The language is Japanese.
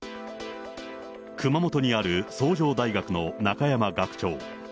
熊本にある崇城大学の中山学長。